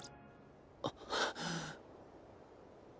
あっ。